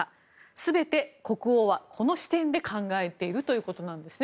全て国王はこの視点で考えているということなんですね。